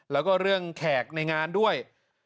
แล้วก็เรื่องแขกในงานด้วย